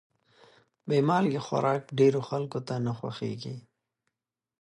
بې مالګې خوراک ډېرو خلکو ته نه خوښېږي.